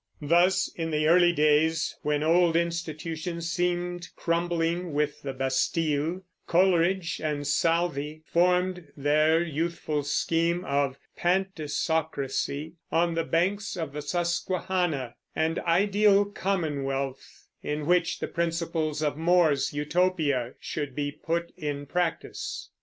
Thus in the early days, when old institutions seemed crumbling with the Bastille, Coleridge and Southey formed their youthful scheme of a "Pantisocracy on the banks of the Susquehanna," an ideal commonwealth, in which the principles of More's Utopia should be put in practice.